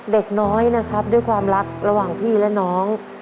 เด็กน้อยนะครับด้วยความรักระหว่างพี่และน้อง